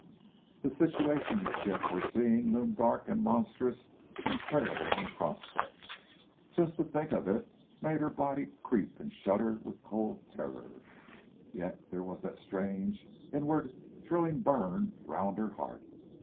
The situation she had foreseen loomed dark and monstrous and terrible in prospect. Just to think of it made her body creep and shudder with cold terror. Yet there was that strange, inward, thrilling burn round her heart.